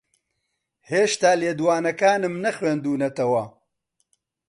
ھێشتا لێدوانەکانم نەخوێندوونەتەوە.